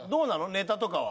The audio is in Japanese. ネタとかは。